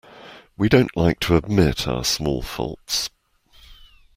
We don't like to admit our small faults.